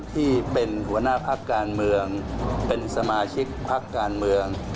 ที่เป็นหัวหน้าพักการเมืองเป็นสมาชิกพักการเมือง